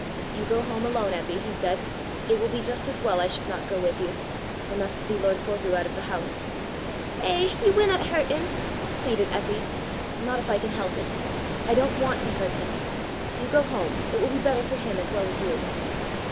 "You go home alone, Eppy," he said; "it will be just as well I should not go with you. I must see lord Forgue out of the house." "Eh, ye winna hurt him!" pleaded Eppy. "Not if I can help it. I don't want to hurt him. You go home. It will be better for him as well as you."